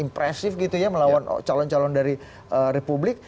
impresif gitu ya melawan calon calon dari republik